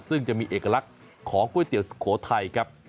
ซึ่งจะมีเอกลักษณ์ของก๋วยเตี๋ยวสุโขทัยครับ